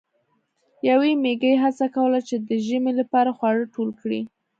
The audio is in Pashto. یوې میږی هڅه کوله چې د ژمي لپاره خواړه ټول کړي.